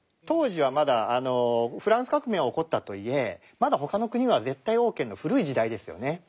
当時はまだフランス革命は起こったといえまだ他の国は絶対王権の古い時代ですよね。